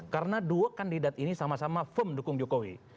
karena dua kandidat ini sama sama firm dukung jokowi